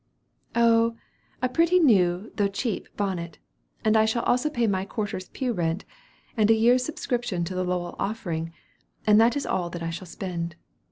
"Oh, a pretty new, though cheap, bonnet; and I shall also pay my quarter's pew rent, and a year's subscription to the 'Lowell Offering;' and that is all that I shall spend.